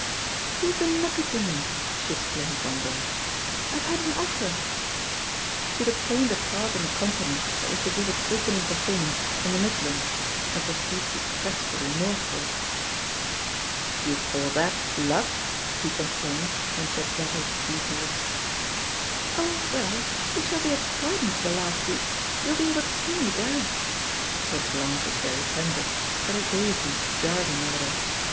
" YouVe been lucky to me," she exclaimed one Say; "IVe had an offer I" She had obtained a part in a company that was to give its opening performance in the Mid lands, and proceed distressfully northward. 94 THE POSITION OF PEGGY HARPER "You call that *luck'?" he complained, when she had rattled details. "Oh, well, we shall be at Croydon for the last week ; you'll be able to see me there 1" Her glance was very tender, but her gaiety jarred him a little.